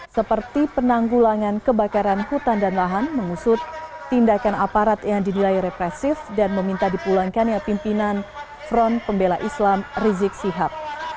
seperti penanggulangan kebakaran hutan dan lahan mengusut tindakan aparat yang didilai represif dan meminta dipulangkannya pimpinan front pembela islam rizik sihab